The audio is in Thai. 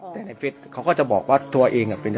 แต่ในเฟสเขาก็จะบอกว่าตัวเองเป็น